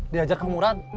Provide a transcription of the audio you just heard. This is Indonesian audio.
diajar kang murad